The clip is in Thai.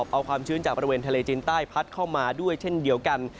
เอาความชื้นจากบริเวณทะเลจีนใต้พัดเข้ามาด้วยเช่นเดียวกัน